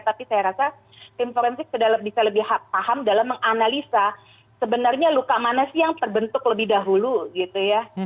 tapi saya rasa tim forensik sudah bisa lebih paham dalam menganalisa sebenarnya luka mana sih yang terbentuk lebih dahulu gitu ya